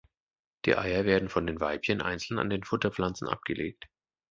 Die Eier werden von den Weibchen einzeln an den Futterpflanzen abgelegt.